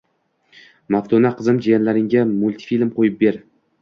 Maftuna, qizim, jiyanlaringga multfilm qo`yib ber